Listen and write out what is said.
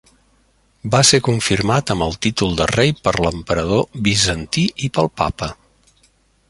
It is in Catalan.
Va ser confirmat amb el títol de rei per l'emperador bizantí i pel papa.